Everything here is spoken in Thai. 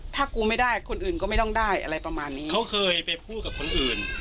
ถ้ากูไม่ได้คนอื่นก็ไม่ต้องได้อะไรประมาณนี้เขาเคยไปพูดกับคนอื่น